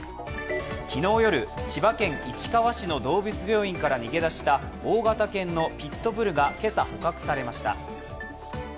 昨日夜、千葉県市川市の動物病院から逃げ出した大型犬のピット・ブルが今朝、捕獲されました。